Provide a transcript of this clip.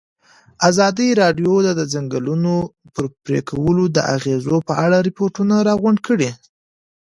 ازادي راډیو د د ځنګلونو پرېکول د اغېزو په اړه ریپوټونه راغونډ کړي.